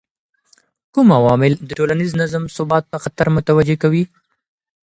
کوم عوامل د ټولنیز نظم ثبات ته خطر متوجه کوي؟